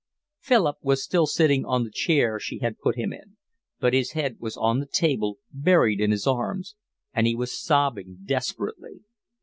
Philip was still sitting on the chair she had put him in, but his head was on the table buried in his arms, and he was sobbing desperately.